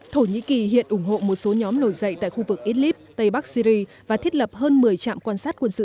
thổ nhĩ kỳ hiện ủng hộ một số nhóm nổi dậy tại khu vực idlib tây bắc syri và thiết lập hơn một mươi trạm quan sát quân sự